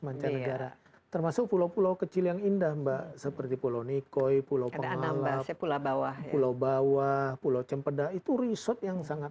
mancanegara termasuk pulau pulau kecil yang indah mbak seperti pulau nikoi pulau pengalap pulau bawah pulau cempeda